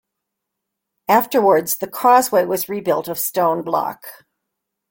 Afterwards, the causeway was rebuilt of stone block.